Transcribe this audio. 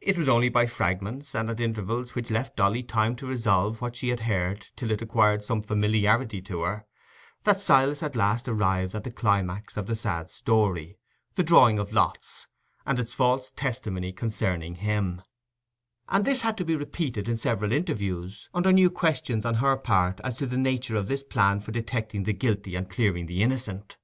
It was only by fragments, and at intervals which left Dolly time to revolve what she had heard till it acquired some familiarity for her, that Silas at last arrived at the climax of the sad story—the drawing of lots, and its false testimony concerning him; and this had to be repeated in several interviews, under new questions on her part as to the nature of this plan for detecting the guilty and clearing the innocent.